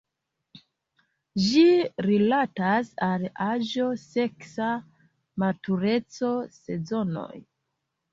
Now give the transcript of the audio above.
Ĝi rilatas al aĝo, seksa matureco, sezonoj.